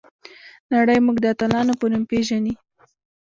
نړۍ موږ د اتلانو په نوم پیژني.